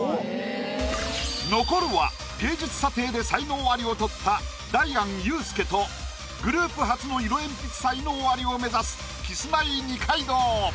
残るは芸術査定で才能アリを取ったダイアンユースケとグループ初の色鉛筆才能アリを目指すキスマイ二階堂。